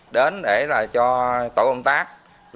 đến để cho tội công tác